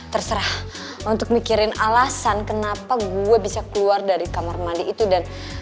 terserah untuk mikirin alasan kenapa gue bisa keluar dari kamar mandi itu dan